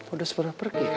udah seberapa pergi kali ya